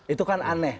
itu kan aneh